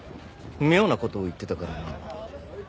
妙なことを言ってたからな。